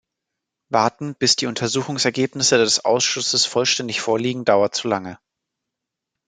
Warten, bis die Untersuchungsergebnisse des Ausschusses vollständig vorliegen, dauert zu lange.